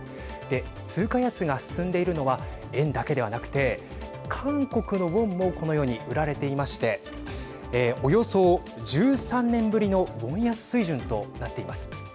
通貨安が進んでいるのは円だけではなくて韓国のウォンもこのように売られていましておよそ１３年ぶりのウォン安水準となっています。